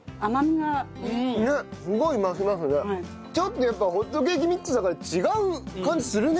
ちょっとやっぱホットケーキミックスだから違う感じするね。